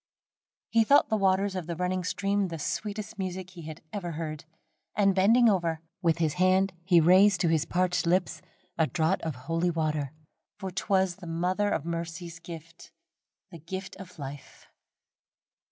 He thought the waters of the running stream the sweetest music he had ever beard, and bending over, with his hand he raised to his parched lips a draught of holy water for 'twas the Mother of Mercy's gift the gift of life.